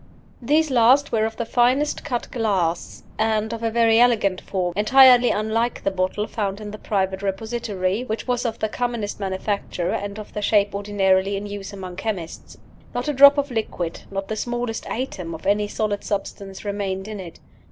These last were of the finest cut glass, and of a very elegant form entirely unlike the bottle found in the private repository, which was of the commonest manufacture, and of the shape ordinarily in use among chemists. Not a drop of liquid, not the smallest atom of any solid substance, remained in it.